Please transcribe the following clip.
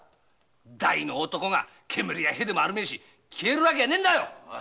大の男が煙や屁でもあるめえし消えるわけねえんだよ！